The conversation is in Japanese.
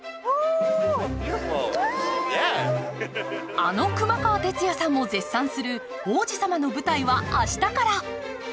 あの熊川哲也さんも絶賛する王子様の舞台は明日から。